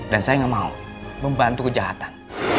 dan saya gak mau membantu kejahatan